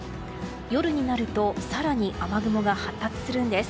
夜になると更に雨雲が発達するんです。